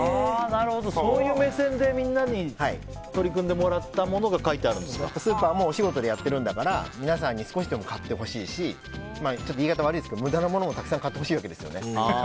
そういう目線でみんなに取り組んでもらったものがスーパーもお仕事でやってるんだから皆さんに少しでも買ってほしいし言い方は悪いですけど無駄なものもたくさん買ってほしいわけですよね。